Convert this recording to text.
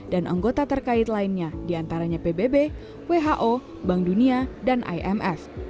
dan anggota terkait lainnya diantaranya pbb who bank dunia dan imf